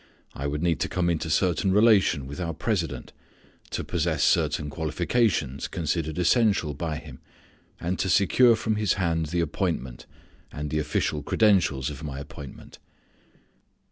I would need to come into certain relation with our president, to possess certain qualifications considered essential by him, and to secure from his hand the appointment, and the official credentials of my appointment.